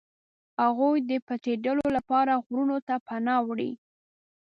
هغوی د پټېدلو لپاره غرونو ته پناه وړي.